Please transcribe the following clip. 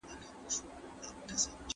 پانګه د سوداګرۍ د پراختيا لپاره کارول کېږي.